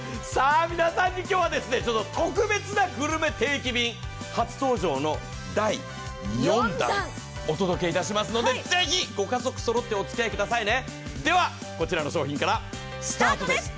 皆さんに今日は特別なグルメ定期便初登場の第４弾お届けいたしますのでぜひご家族そろっておつき合いくださいね。